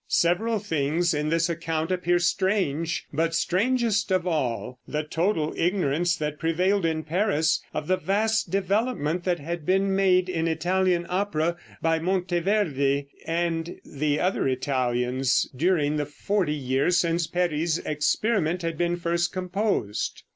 Several things in this account appear strange, but strangest of all, the total ignorance that prevailed in Paris of the vast development that had been made in Italian opera by Monteverde and the other Italians, during the forty years since Peri's experiment had been first composed.